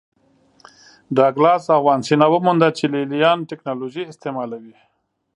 ډاګلاس او وانسینا ومونده چې لې لیان ټکنالوژي استعملوي